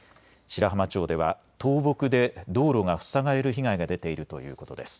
白浜町では倒木で道路が塞がれる被害が出ているということです。